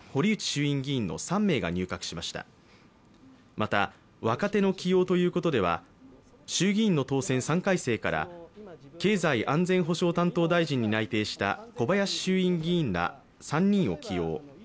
また、若手の起用ということでは衆議院の当選３回生から経済安全保障担当大臣に内定した小林衆院議員ら３人を起用。